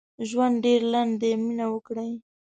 ژوند ډېر لنډ دي مينه وکړئ